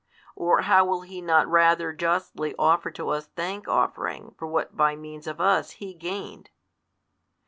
Or how will He not rather justly offer to us thank offering for what by means of us He gained?